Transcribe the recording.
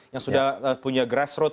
yang sudah punya grassroot